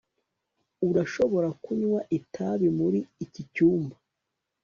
Urashobora kunywa itabi muri iki cyumba